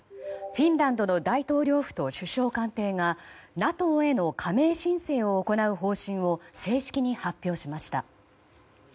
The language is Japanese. フィンランドの大統領府と首相官邸がＮＡＴＯへの加盟申請を行う方針を正式に発表しました。